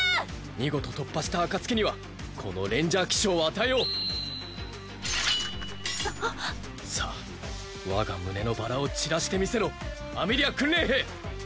見事突破した暁にはこのレンジャー記章を与えようさあ我が胸のバラを散らして見せろアメリア訓練兵！